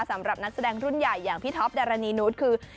สำหรับนักแสดงรุ่นใหญ่อย่างพี่ท็อปดารณีนุษย์คือ